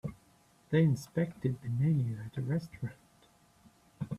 They inspected the menu at the restaurant.